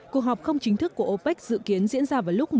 cuộc họp không chính thức của opec dự kiến diễn ra vào lúc một mươi bốn h